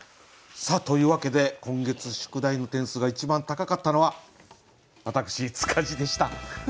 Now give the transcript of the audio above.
さあというわけで今月宿題の点数が一番高かったのは私塚地でした。